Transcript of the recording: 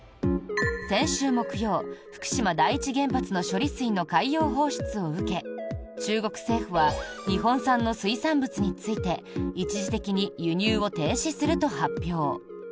先週木曜、福島第一原発の処理水の海洋放出を受け中国政府は日本産の水産物について一時的に輸入を停止すると発表。